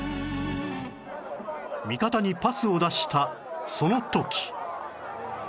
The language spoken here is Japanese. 味方にパスを出したその時